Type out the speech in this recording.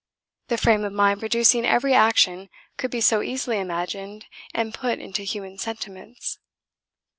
The frame of mind producing every action could be so easily imagined and put into human sentiments.